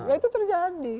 ya itu terjadi